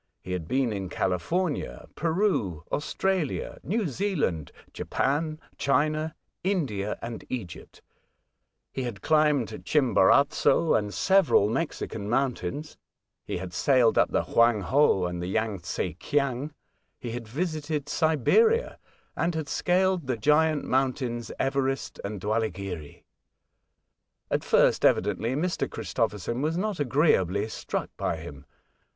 He had been in California, Peru, Australia, New Zealand, Japan, China, India, and Egypt. He had climbed Chimborazo and several Mexican mountains. He had sailed up 40 A Voyage to Other Worlds, the Hoang ho and Yang tze Kiang. He had visited Siberia, and had scaled the giant moun / tains Everest andDwahghiri. At first, evidently,! Mr. Christophers on was not agreeably strucl by him.